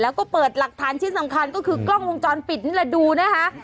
แล้วก็เปิดหลักฐานชิ้นสำคัญก็คือกล้องวงจรปิดนี่แหละดูนะคะ